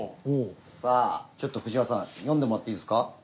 さあちょっと藤原さん読んでもらっていいですか？